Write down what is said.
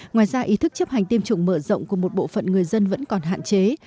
ngoài ra ý thức chấp hành tiêm chủng mở rộng của một bộ phận người dân vẫn còn hạn chế